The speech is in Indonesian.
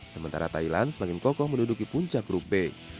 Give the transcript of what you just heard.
sementara thailand semakin kokoh menduduki puncak grup b